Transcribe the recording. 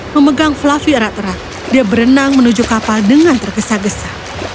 memegang fluffy erat erat dia berenang menuju kapal dengan tergesa gesa